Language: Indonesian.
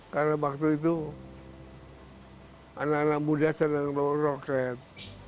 karena waktu itu anak anak muda sering bawa roket